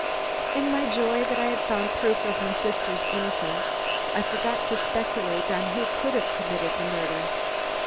In my joy that I had found proof of my sister's innocence, I forgot to speculate on who could have committed the murder.